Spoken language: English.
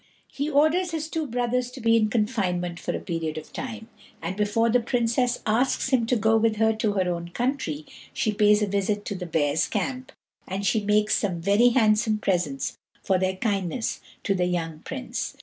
He orders his two brothers to be in confinement for a period of time; and before the Princess asks him to go with her to her own country, she pays a visit to the bear's camp, and she makes some very handsome presents for their kindness to the young Prince.